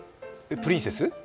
プリンセス？